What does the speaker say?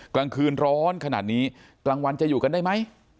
กลางคืนร้อนขนาดนี้กลางวันจะอยู่กันได้ไหม